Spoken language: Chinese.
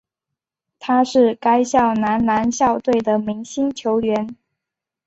他是该校男篮校队的明星球员。